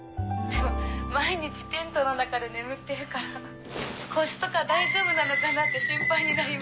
毎日テントの中で眠ってるから腰とか大丈夫なのかな？って心配になります。